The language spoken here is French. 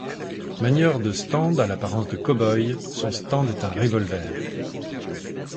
Manieur de stand à l'apparence de cow-boy, son stand est un revolver.